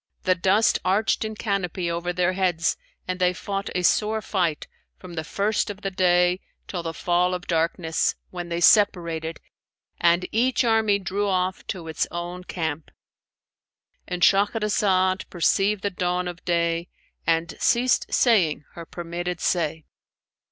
The dust arched in canopy over their heads and they fought a sore fight from the first of the day till the fall of darkness, when they separated and each army drew off to its own camp."—And Shahrazad perceived the dawn of day and ceased saying her permitted say.